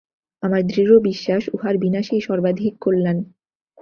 আমার দৃঢ় বিশ্বাস, উহার বিনাশেই সর্বাধিক কল্যাণ।